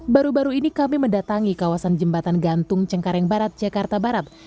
baru baru ini kami mendatangi kawasan jembatan gantung cengkareng barat jakarta barat